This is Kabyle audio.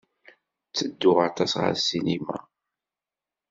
Ttedduɣ aṭas ɣer ssinima.